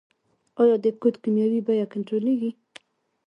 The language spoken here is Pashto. آیا د کود کیمیاوي بیه کنټرولیږي؟